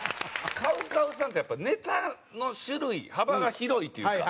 ＣＯＷＣＯＷさんってやっぱネタの種類幅が広いというか。